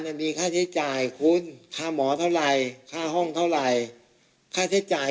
ที่นี่โรงพยาบาลมีค่าใช้จ่าย